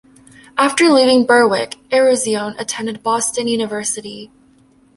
After leaving Berwick, Eruzione attended Boston University.